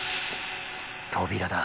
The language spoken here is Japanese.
扉だ。